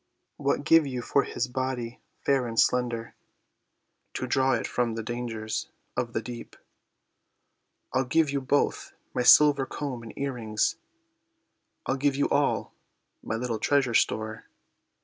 "What give you for his body fair and slender, To draw it from the dangers of the deep?" "I'll give you both my silver comb and earrings, I'll give you all my little treasure store."